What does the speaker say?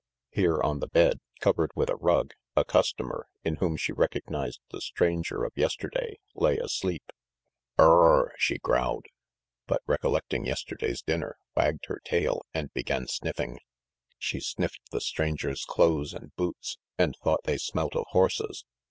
Here on the bed, covered with a rug, a customer, in whom she recognised the stranger of yesterday, lay asleep. "Rrrrr ..." she growled, but recollecting yesterday's dinner, wagged her tail, and began sniffing. She sniffed the stranger's clothes and boots and thought they smelt of horses.